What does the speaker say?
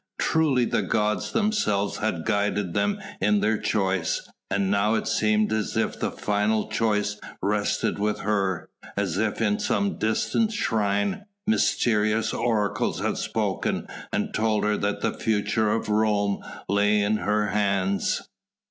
Truly the gods themselves had guided them in their choice. And now it seemed as if the final choice rested with her: as if in some distant shrine, mysterious oracles had spoken and told her that the future of Rome lay in her hands.